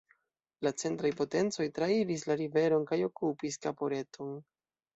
La centraj potencoj trairis la riveron kaj okupis Caporetto-n.